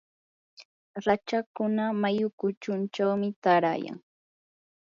rachakkuna mayu kuchunchawmi taarayan.